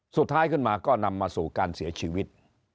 สุดท้ายขึ้นมาก็นำมาสู่การเสียชีวิต